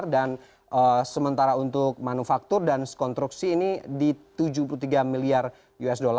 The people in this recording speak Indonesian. dan sementara untuk manufaktur dan skontruksi ini di tujuh puluh tiga miliar usd